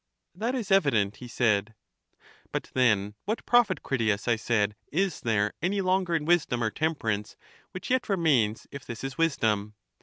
That is evident, he said. But then what profit, Critias, I said, is there any longer in wisdom or temperance which yet remains, if this is wisdom?